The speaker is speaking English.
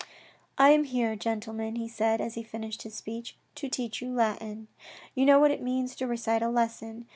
" I am here, gentlemen, he said, as he finished his speech, to teach you Latin. You know what it means to recite a lesson.